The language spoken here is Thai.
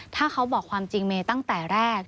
ถ้าเขาบอกความจริงเมย์ตั้งแต่แรก